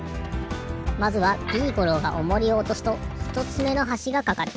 まずはビーゴローがオモリをおとすとひとつめのはしがかかる。